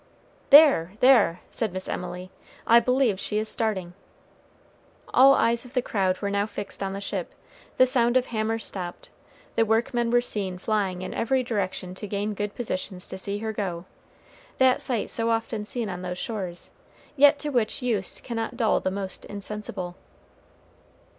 "There, there!" said Miss Emily, "I believe she is starting." All eyes of the crowd were now fixed on the ship; the sound of hammers stopped; the workmen were seen flying in every direction to gain good positions to see her go, that sight so often seen on those shores, yet to which use cannot dull the most insensible.